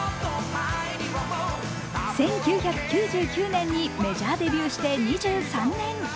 １９９９年にメジャーデビューして２３年。